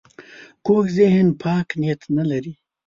کوږ ذهن پاک نیت نه لري